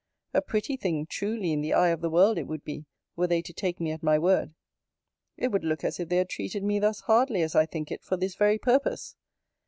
A pretty thing truly in the eye of the world it would be, were they to take me at my word! It would look as if they had treated me thus hardly, as I think it, for this very purpose.